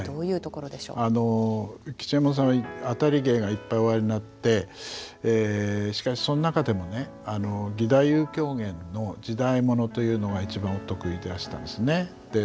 吉右衛門さんは当たり芸がいっぱいおありになってしかしその中でもね義太夫狂言の時代物というのが一番お得意でいらしたんですね。